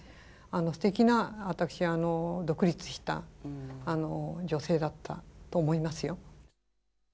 すてきな私独立した女性だったと思いますよ。